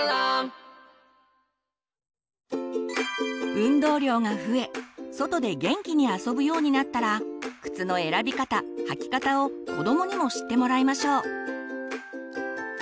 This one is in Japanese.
運動量が増え外で元気に遊ぶようになったら靴の選び方履き方を子どもにも知ってもらいましょう。